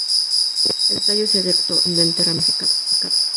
El tallo es erecto o ascendente, ramificado.